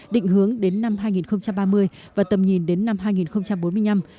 định hướng đến năm hai nghìn ba mươi và tầm nhìn đến năm hai nghìn bốn mươi năm